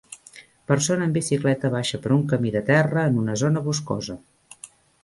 Persona en bicicleta baixa per un camí de terra en una zona boscosa